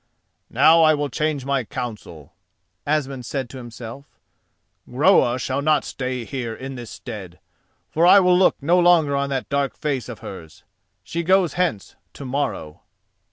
"Now I will change my counsel," Asmund said to himself: "Groa shall not stay here in this stead, for I will look no longer on that dark face of hers. She goes hence to morrow."